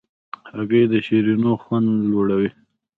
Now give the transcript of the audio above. هګۍ د شیرینیو خوند لوړوي.